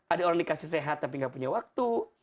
ada orang dikasih sehat tapi nggak punya waktu